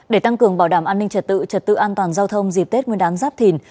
để tăng cường bảo đảm an ninh trật tự trật tự an toàn giao thông dịp tết nguyên đán giáp thìn